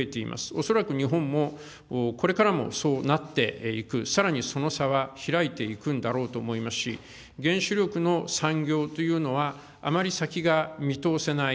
恐らく日本も、これからもそうなっていく、さらにその差は開いていくんだろうと思いますし、原子力の産業というのは、あまり先が見通せない。